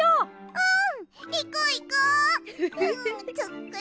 うん。